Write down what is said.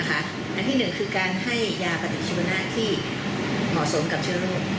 อันที่๑คือการให้ยาปฏิชีวนาศที่เหมาะสมกับเชื้อโรค